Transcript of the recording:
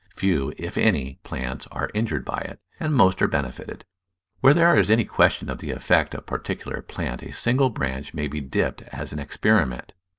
Few, if any, plants are injured by it, and most are benefited. Where there is any question of the effect on a partic ular plant a single branch may be dipped as an experi ment.